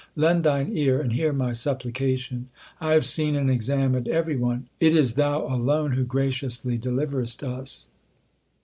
Lend Thine ear and hear my supplication. I have seen and examined every one ; it is Thou alone who graciously deliverest us.